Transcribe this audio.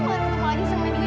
mau ketemu lagi sama juga